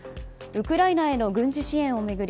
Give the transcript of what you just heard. ウクライナへの軍事支援を巡り